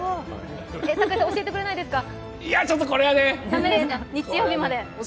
堺さん、教えてくれないですか？